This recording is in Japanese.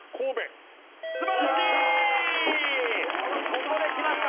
ここできました！